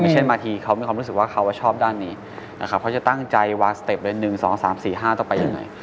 เช่นบางทีเขามีความรู้สึกว่าเขาชอบด้านนี้นะครับเขาจะตั้งใจวางสเต็ปเลย๑๒๓๔๕ต่อไปยังไง